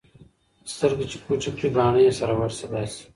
سترګي چي پټي كړي باڼه يې سره ورسي داسـي